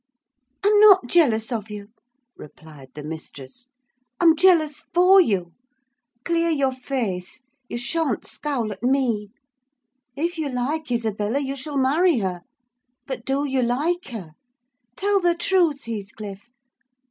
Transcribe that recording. "I'm not jealous of you," replied the mistress; "I'm jealous for you. Clear your face: you sha'n't scowl at me! If you like Isabella, you shall marry her. But do you like her? Tell the truth, Heathcliff!